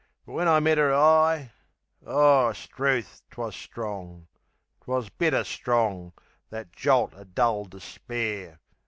But when I met 'er eye O, 'struth, 'twas strong! 'Twas bitter strong, that jolt o' dull despair!